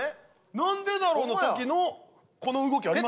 「なんでだろう」の時のこの動きありますもんね。